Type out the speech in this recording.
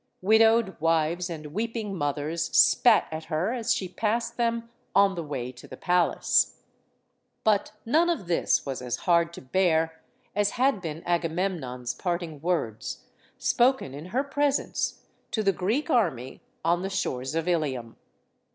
Widowed wives and weeping mothers spat at her as she passed them on the way to the palace. But none of this was as hard to bear as had been Agamemnon's parting words spoken in her presence to the Greek army on the shores of Ilium.